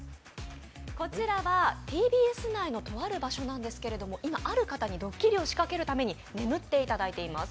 こちらはＴＢＳ内のとある場所なんですけども、今、ある方にドッキリをしかけるために眠っていただいています。